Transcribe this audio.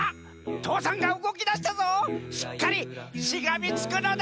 父山がうごきだしたぞしっかりしがみつくのだ！